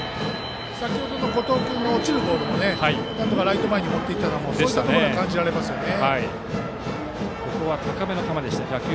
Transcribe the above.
先程の後藤君も落ちるボールをなんとかライト前に持っていったのもそういうところが感じられますね。